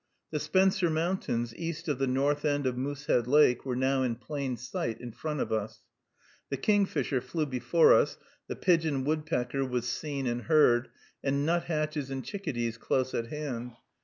The Spencer Mountains, east of the north end of Moosehead Lake, were now in plain sight in front of us. The kingfisher flew before us, the pigeon woodpecker was seen and heard, and nuthatches and chickadees close at hand.